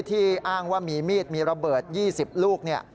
อ้างว่ามีมีดมีระเบิด๒๐ลูก